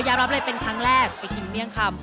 หรือขยะรับเป็นครั้งแรกไปกินเมียงคำ